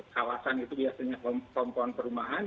kawasan itu biasanya kompon perumahan